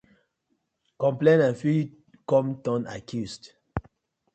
Complainant fit com turn accused.